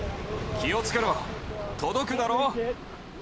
気をつけろ、届くだろ？